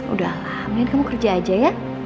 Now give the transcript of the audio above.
udah lah mendingan kamu kerja aja ya